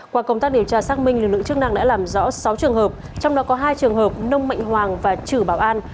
qua công tác điều tra xác minh lực lượng chức năng đã làm rõ sáu trường hợp trong đó có hai trường hợp nông mạnh hoàng và chử bảo an